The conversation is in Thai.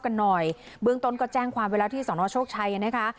จริงมันก็อุบัติเหตุมันก็เกิดไปแล้ว